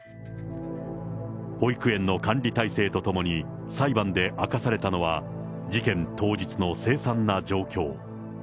保育園の管理体制とともに、裁判で明かされたのは、事件当日の凄惨な状況。